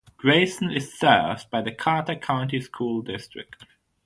Grayson is served by the Carter County School District.